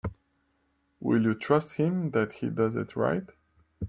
Will you trust him that he does it right?